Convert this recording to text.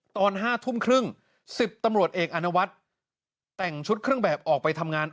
ตอน๕ทุ่มครึ่ง๑๐ตำรวจเอกอนวัฒน์แต่งชุดเครื่องแบบออกไปทำงาน